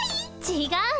ちがうの。